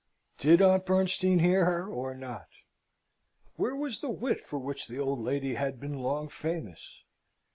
Did Aunt Bernstein hear her or not? Where was the wit for which the old lady had been long famous?